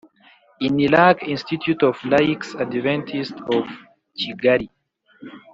inilak institut of laics adventist of kigali